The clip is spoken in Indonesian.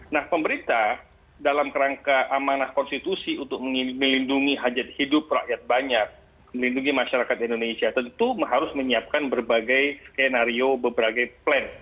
nah pemerintah dalam kerangka amanah konstitusi untuk melindungi hajat hidup rakyat banyak melindungi masyarakat indonesia tentu harus menyiapkan berbagai skenario berbagai plan